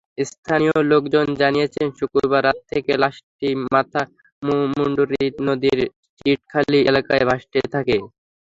স্থানীয় লোকজন জানিয়েছেন, শুক্রবার রাত থেকে লাশটি মাতামুহুরী নদীর চিটখালী এলাকায় ভাসতে থাকে।